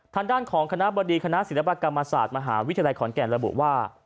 ทางด้านของคณะบดีคณะศิลปกรรมศาสตร์มหาวิทยาลัยขอนแก่นระบุว่า